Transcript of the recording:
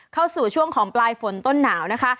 เข้าสู่ช่วงของปลายฝนต้นหนาวนะคะ